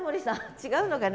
違うのかね？